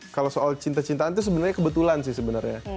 kalau soal cinta cintaan itu sebenarnya kebetulan sih sebenarnya